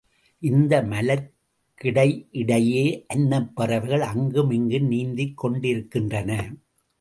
இந்த மலர்களுக்கிடையிடையே அன்னப் பறவைகள் அங்கு மிங்கும் நீந்திக் கொண்டிருக்கின்றன.